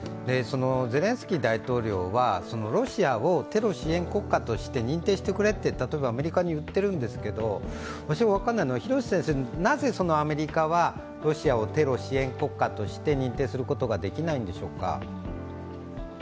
ゼレンスキー大統領はロシアをテロ支援国家として認定してくれと例えばアメリカに言っているんですけど、私が分からないのは、なぜアメリカはロシアをテロ支援国家として認定することが出来ないんでしょうか？